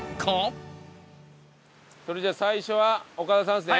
それじゃあ最初はオカダさんですね。